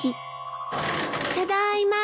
ただいま。